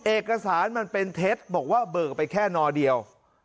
เอกสารมันเป็นเท็จบอกว่าเบิกไปแค่นอเดียว